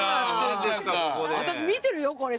私見てるよこれ。